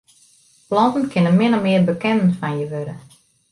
Planten kinne min of mear bekenden fan je wurde.